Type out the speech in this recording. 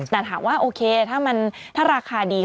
แต่ถามว่าโอเคถ้าราคาดี